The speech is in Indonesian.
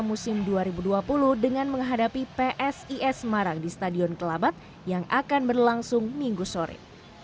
musim dua ribu dua puluh dengan menghadapi psis semarang di stadion kelabat yang akan berlangsung minggu sore